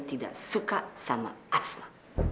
tidak suka sama asma